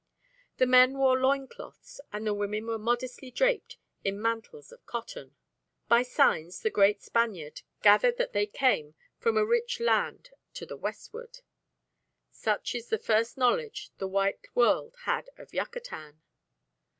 The men wore loin cloths and the women were modestly draped in mantles of cotton. By signs the great Spaniard gathered that they came from a rich land to the westward. Such is the first knowledge the white world had of Yucatan!